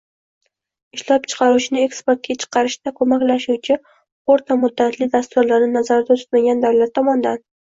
ishlab chiqaruvchini eksportga chiqarishda ko‘maklashuvchi o‘rta muddatli dasturlarni nazarda tutmagan davlat tomonidan.